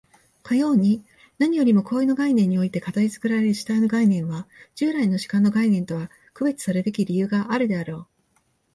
かように何よりも行為の立場において形作られる主体の概念は、従来の主観の概念とは区別さるべき理由があるであろう。